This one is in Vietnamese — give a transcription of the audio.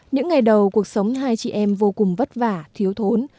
những ngày đầu cuộc sống hai chị em vô cùng vất vả thiếu thốn